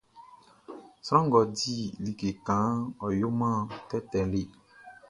Sran ngʼɔ di like kanʼn, ɔ yoman tɛtɛ le.